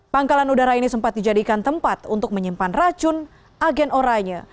pangkalan udara ini sempat dijadikan tempat untuk menyimpan racun agen oranya